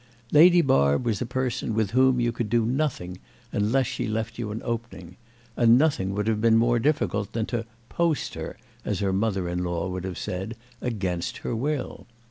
Lady Barb was a person with whom you could do nothing unless she left you an opening; and nothing would have been more difficult than to "post" her, as her mother in law would have said, against her will.